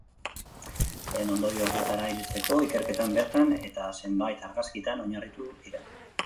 Lehen ondorio horietara iristeko, ikerketan bertan eta zenbait argazkitan oinarritu dira.